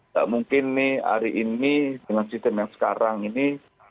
tak mungkin nih hari ini dengan sistem yang sekarang ini